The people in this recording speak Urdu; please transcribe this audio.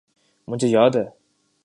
مجھے یاد ہے۔